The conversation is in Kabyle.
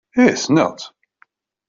Ih sneɣ-tt.